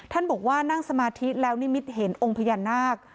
ท่านบอกว่านั่งสมาธิแล้วนิมิตเห็นองค์พญานาค